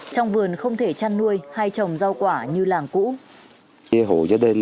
trong vườn không thể chăn nuôi hay trồng rau quả như làng cũ